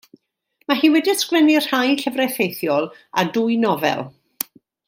Mae hi wedi ysgrifennu rhai llyfrau ffeithiol, a dwy nofel.